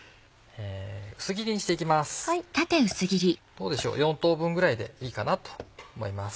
どうでしょう４等分ぐらいでいいかなと思います。